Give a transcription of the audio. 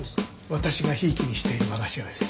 私がひいきにしている和菓子屋です。